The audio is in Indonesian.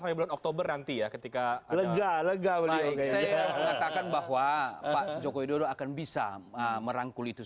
sebelum oktober nanti ya ketika lega lega menduduki katakan bahwa joko widodo akan bisa merangkul itu